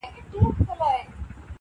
موږکان ډېر دي حیران ورته سړی دی,